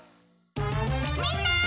みんな！